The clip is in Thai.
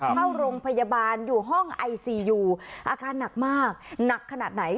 เข้าโรงพยาบาลอยู่ห้องไอซียูอาการหนักมากหนักขนาดไหน